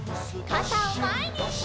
かたをまえに！